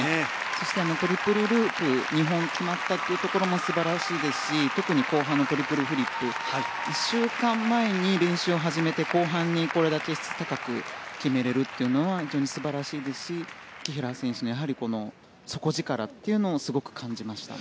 そして、トリプルループ２本決まったというところも素晴らしいですし特に後半のトリプルフリップ２週間前に練習を始めて後半にこれだけ質を高く決めれるというのは非常に素晴らしいですし紀平選手の底力というのもすごく感じました。